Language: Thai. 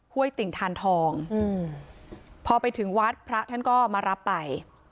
้วยติ่งทานทองพอไปถึงวัดพระท่านก็มารับไป